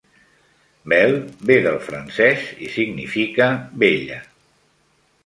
"Belle" ve del francès i significa "bella".